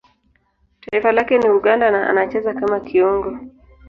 Taifa lake ni Uganda na anacheza kama kiungo.